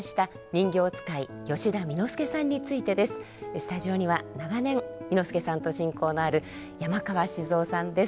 スタジオには長年簑助さんと親交のある山川静夫さんです。